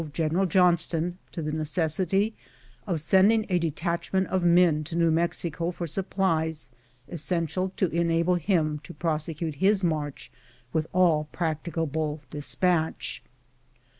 225 General Johnston to the necessity of sending a detachment of men to New Mexico for supplies essential to enable him to prosecute his march with all practicable dispatch.